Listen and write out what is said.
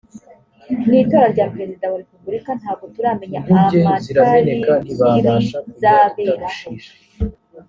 mwi tora rya perezida wa repubulika ntago turamenya amatarikiri zaberaho